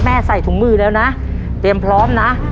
ใส่ถุงมือแล้วนะเตรียมพร้อมนะ